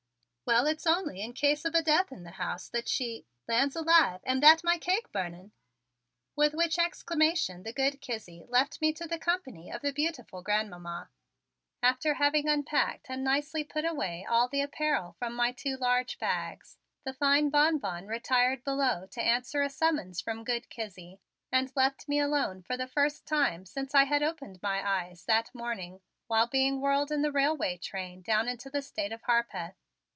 "Well, it's only in case of a death in the house that she Lands alive, am that my cake burning?" With which exclamation the good Kizzie left me to the company of the beautiful Grandmamma. After having unpacked and nicely put away all of the apparel from my two large bags, the fine Bonbon retired below to answer a summons from good Kizzie, and left me alone for the first time since I had opened my eyes that morning while being whirled in the railway train down into the State of Harpeth.